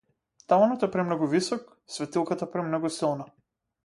Таванот е премногу висок, светилката премногу силна.